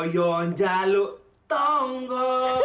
yon jaluk tonggo